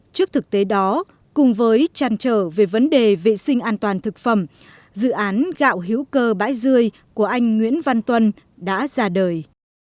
trước thực tế đó cùng với chăn trở về vấn đề vệ sinh an toàn thực phẩm dự án gạo hữu cơ bãi rươi của anh nguyễn văn tuân đã ra đời